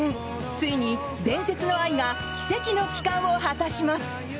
ついに伝説の愛が奇跡が帰還を果たします。